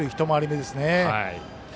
１回り目ですね。